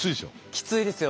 きついですよ。